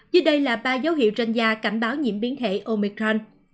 dưới đây là ba dấu hiệu trên da cảnh báo nhiễm biến thể omicron